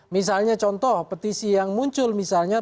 misalnya contoh petisi yang muncul misalnya